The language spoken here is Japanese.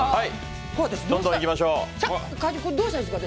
これ私どうしたらいいですか？